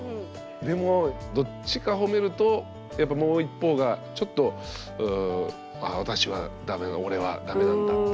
でもどっちかほめるとやっぱもう一方がちょっとああ私はダメだ。